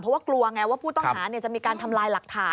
เพราะว่ากลัวไงว่าผู้ต้องหาจะมีการทำลายหลักฐาน